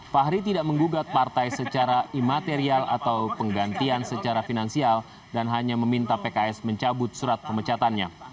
fahri tidak menggugat partai secara imaterial atau penggantian secara finansial dan hanya meminta pks mencabut surat pemecatannya